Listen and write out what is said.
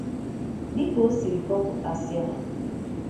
Dịka o siri kpọpụtasịa